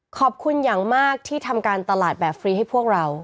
ขอบคุณอย่างมากที่ทำการตลาดแบบฟรีให้พวกเรา